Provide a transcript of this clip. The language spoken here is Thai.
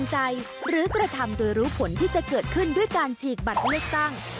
หรือกระทำโดยรู้ผลที่จะเกิดขึ้นด้วยการฉีกบัตรเลือกตั้ง